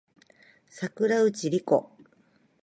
桜内梨子